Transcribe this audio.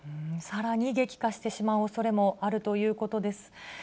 さらに激化してしまうおそれもあるということです。